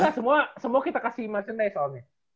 oh enggak semua kita kasih merchandise soalnya